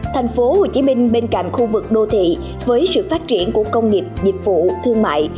thành phố hồ chí minh bên cạnh khu vực đô thị với sự phát triển của công nghiệp dịch vụ thương mại